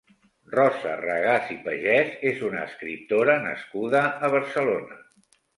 Rosa Regàs i Pagès és una escriptora nascuda a Barcelona.